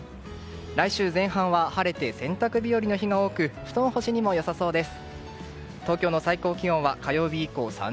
来週前半は晴れて洗濯日和の日が多く布団干しにも良さそうです。